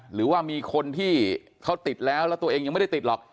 หรือว่ามีคนที่เขาติดแล้วแล้วตัวเองยังไม่ได้ติดหรอก